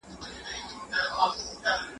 موږ به بشپړه ذهني ازادي ترلاسه کړو.